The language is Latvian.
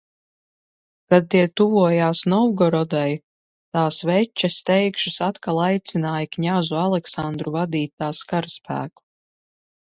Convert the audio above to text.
Kad tie tuvojās Novgorodai, tās veče steigšus atkal aicināja kņazu Aleksandru vadīt tās karaspēku.